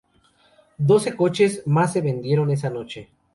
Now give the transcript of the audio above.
Doce coches más se vendieron esa noche.